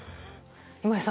今井さん